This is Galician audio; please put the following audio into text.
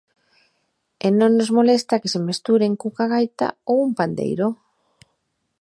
E non nos molesta que se mesturen cunha gaita ou un pandeiro.